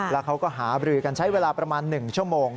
แล้วเขาก็หาบรือกันใช้เวลาประมาณ๑ชั่วโมง